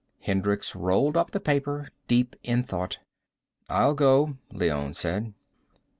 Hendricks rolled up the paper, deep in thought. "I'll go," Leone said.